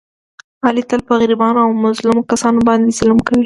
علي تل په غریبانو او مظلومو کسانو باندې ظلم کوي.